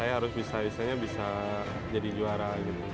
saya harus bisa habisnya bisa jadi juara gitu